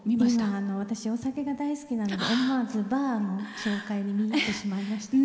私、お酒が大好きなので思わずバーの紹介に見入ってしまいました。